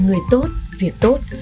người tốt việc tốt